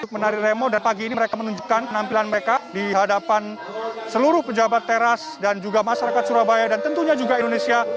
menarik remo dan pagi ini mereka menunjukkan penampilan mereka di hadapan seluruh pejabat teras dan juga masyarakat surabaya dan tentunya juga indonesia